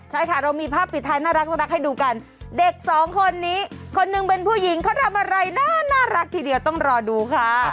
ใช่ค่ะเรามีภาพปิดท้ายน่ารักให้ดูกันเด็กสองคนนี้คนหนึ่งเป็นผู้หญิงเขาทำอะไรน่ารักทีเดียวต้องรอดูค่ะ